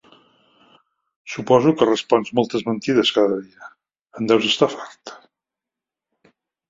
Suposo que respons moltes mentides cada dia, en deus estar fart.